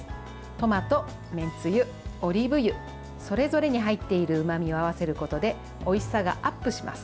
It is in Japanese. トマト、めんつゆ、オリーブ油それぞれに入っているうまみを合わせることでおいしさがアップします。